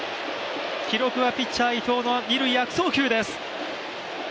記録はピッチャーの二塁悪送球です。